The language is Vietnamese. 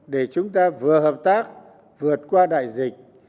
để chúng ta vừa hợp tác vượt qua đại dịch